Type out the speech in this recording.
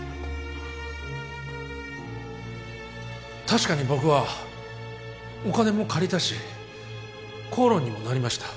確かに僕はお金も借りたし口論にもなりました。